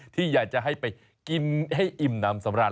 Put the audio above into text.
ที่อยากจะให้ไปกินให้อิ่มน้ำสำราญ